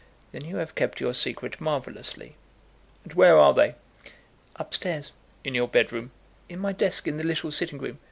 "Then you have kept your secret marvellously. And where are they?" "Up stairs." "In your bed room?" "In my desk in the little sitting room."